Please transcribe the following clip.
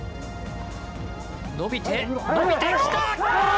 伸びて、伸びてきた！